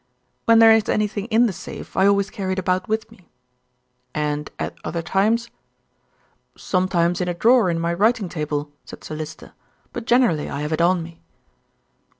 "When there is anything in the safe I always carry it about with me." "And at other times?" "Sometimes in a drawer in my writing table," said Sir Lyster; "but generally I have it on me."